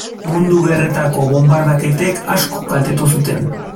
Mundu Gerretako bonbardaketek asko kaltetu zuten.